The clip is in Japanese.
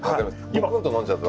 ゴクンと飲んじゃうと。